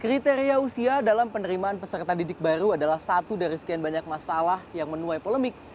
kriteria usia dalam penerimaan peserta didik baru adalah satu dari sekian banyak masalah yang menuai polemik